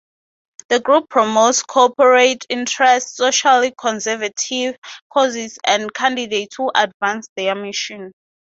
The group promotes corporate interests, socially conservative causes and candidates who advance their mission.